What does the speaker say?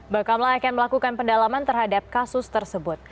bakamla akan melakukan pendalaman terhadap kasus tersebut